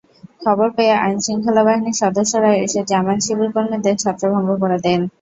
খবর পেয়ে আইনশৃঙ্খলা বাহিনীর সদস্যরা এসে জামায়াত-শিবির কর্মীদের ছত্রভঙ্গ করে দেন।